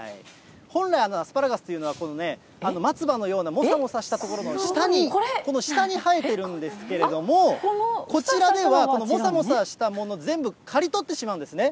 本来、アスパラガスというのは、このね、松葉のようなもさもさした所の下に、この下に生えているんですけれども、こちらではもさもさしたものを全部刈り取ってしまうんですね。